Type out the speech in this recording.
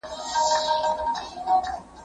نه په زرو یې سو د باندي را ایستلای